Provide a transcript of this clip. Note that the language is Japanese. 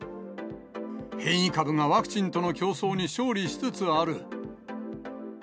変異株がワクチンとの競争に勝利しつつある。